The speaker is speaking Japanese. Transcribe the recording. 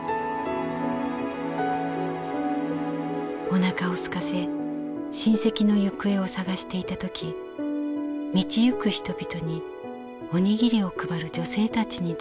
「お腹をすかせ親戚の行方を捜していたとき道行く人々におにぎりを配る女性たちに出会いました。